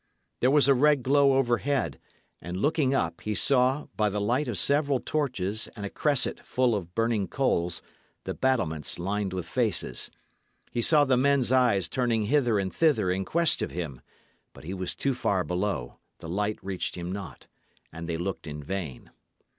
There was a red glow overhead, and looking up, he saw, by the light of several torches and a cresset full of burning coals, the battlements lined with faces. He saw the men's eyes turning hither and thither in quest of him; but he was too far below, the light reached him not, and they looked in vain.